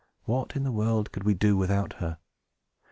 What in the world could we do without her?